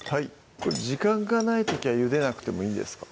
これ時間がない時はゆでなくてもいいんですか？